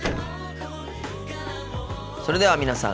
それでは皆さん